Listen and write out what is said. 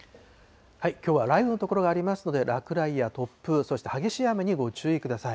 きょうは雷雨の所がありますので、落雷や突風、そして、激しい雨にご注意ください。